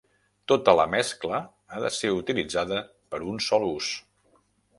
Tota la mescla ha de ser utilitzada per un sol ús.